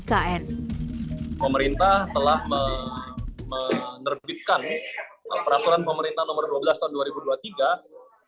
pemerintah telah menerbitkan peraturan pemerintah nomor dua belas tahun dua ribu dua puluh tiga